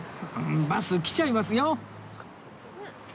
バス来ちゃいますよ！